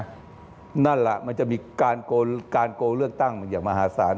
นั่นแหละมันจะมีการโกงเลือกตั้งอย่างมหาศาล